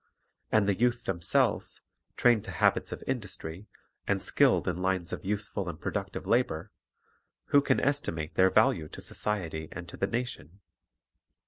And the youth themselves, trained to habits of industry, and skilled in lines of useful and Manual Training 219 productive labor, — who can estimate their value to society and to the nation?